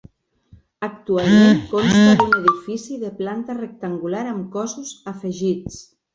Actualment consta d'un edifici de planta rectangular amb cossos afegits.